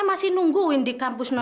masalah pengen nyuruhnya